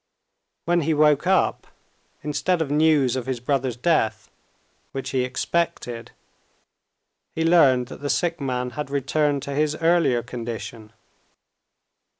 When he woke up, instead of news of his brother's death which he expected, he learned that the sick man had returned to his earlier condition.